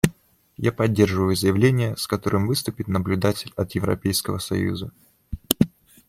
Я поддерживаю заявление, с которым выступит наблюдатель от Европейского союза.